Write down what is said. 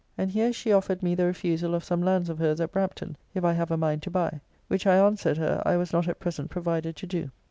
And here she offered me the refusall of some lands of her's at Brampton, if I have a mind to buy, which I answered her I was not at present provided to do.